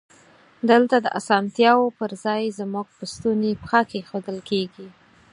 دلته د اسانتیاوو پر ځای زمونږ په ستونی پښه کېښودل کیږی.